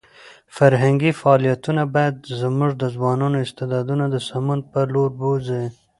فرهنګي فعالیتونه باید زموږ د ځوانانو استعدادونه د سمون په لور بوځي.